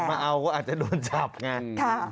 กลับมาเอาก็อาจจะโดนจับงั้น